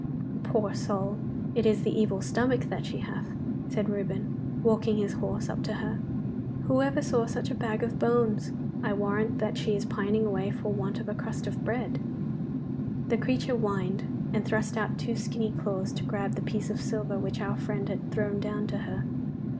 'Poor soul! It is the evil stomach that she hath,' said Reuben, walking his horse up to her. 'Whoever saw such a bag of bones! I warrant that she is pining away for want of a crust of bread.' The creature whined, and thrust out two skinny claws to grab the piece of silver which our friend had thrown down to her.